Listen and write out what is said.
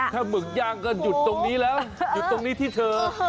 ถ้าหมึกย่างก็หยุดตรงนี้แล้วหยุดตรงนี้ที่เธอ